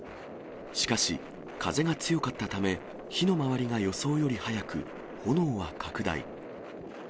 しかし、風が強かったため、火の回りが予想より速く、炎が拡大。